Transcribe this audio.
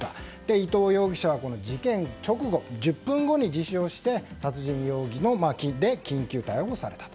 伊藤容疑者は事件直後１０分後に自首をして殺人容疑で緊急逮捕されたと。